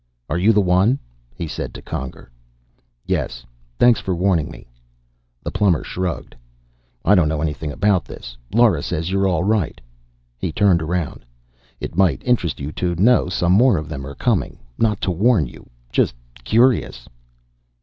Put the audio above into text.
"Are you the one?" he said to Conger. "Yes. Thanks for warning me." The plumber shrugged. "I don't know anything about this. Lora says you're all right." He turned around. "It might interest you to know some more of them are coming. Not to warn you just curious."